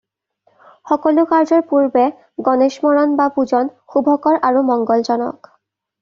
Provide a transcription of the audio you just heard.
সকলো কাৰ্যৰ পূৰ্বে গণেশ স্মৰণ বা পূজন শুভকৰ আৰু মংগলজনক।